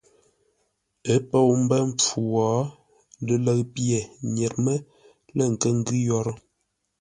Ə́ pou mbə́ mpfu wo, lələʉ pye nyer mə́ lə̂ nkə́ ngʉ́ yórə́.